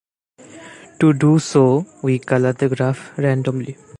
To do so, we color the graph randomly.